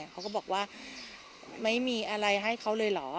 เขาก็บอกว่าไม่มีอะไรให้เขาเลยเหรอ